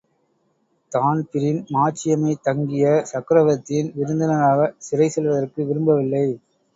Dan Breen மாட்சிமை தங்கிய சக்கரவர்த்தியின் விருந்தினராகச் சிறைசெல்வதற்கு விரும்பவில்லை.